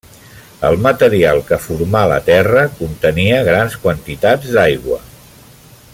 El material que formà la Terra contenia grans quantitats d'aigua.